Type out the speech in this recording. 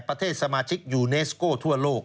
ประเทศสมาชิกยูเนสโก้ทั่วโลก